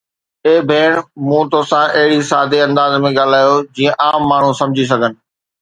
اي ڀيڻ، مون سان اهڙي سادي انداز ۾ ڳالهايو، جيئن عام ماڻهو سمجهي سگهن